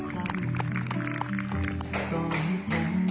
ดีจริง